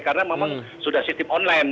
karena memang sudah sistem online